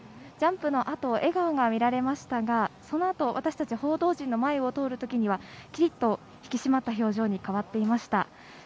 ジャンプのあと笑顔が見られましたがそのあと、私たち報道陣の前を通るときにはキリッと引き締まった表情に変わっていました。